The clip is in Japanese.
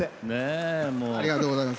ありがとうございます。